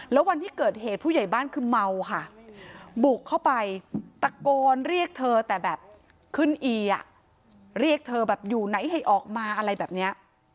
แล้ววันที่เกิดเหตุผู้ใหญ่บ้านคือเมาค่ะบุกเข้าไปตะโกนเรียกเธอแต่แบบขึ้นอีอ่ะเรียกเธอแบบอยู่ไหนให้ออกมาอะไรแบบนี้